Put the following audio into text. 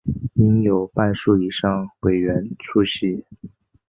应有半数以上委员出席